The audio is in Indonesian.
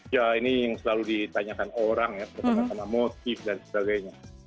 ya ini yang selalu ditanyakan orang ya pertama karena motif dan sebagainya